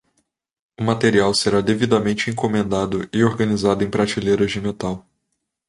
O material será devidamente encomendado e organizado em prateleiras de metal.